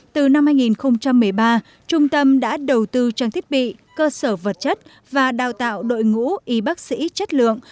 từ năm hai nghìn một mươi ba trung tâm đã đầu tư trang thiết bị cơ sở vật chất và đào tạo đội ngũ y bác sĩ chất lượng